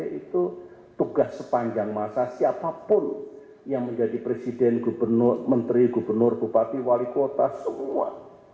dan kita harus merawat sepanjang masa siapapun yang menjadi presiden gubernur menteri gubernur bupati wali kota semua